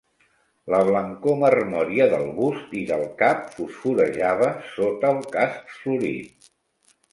La blancor marmòria del bust i del cap fosforejava sota el casc florit.